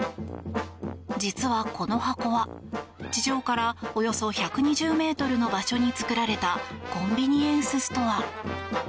実はこの箱は、地上からおよそ１２０ｍの場所に作られたコンビニエンスストア。